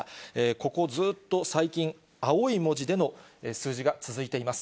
ここ、ずっと最近、青い文字での数字が続いています。